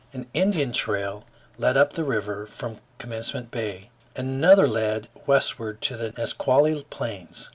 An Indian trail led up the river from Commencement Bay, and another led westward to the Nisqually plains.